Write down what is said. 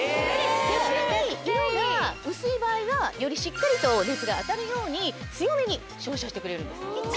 逆に色が薄い場合はよりしっかりと熱が当たるように強めに照射してくれるんです。